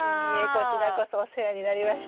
こちらこそお世話になりました。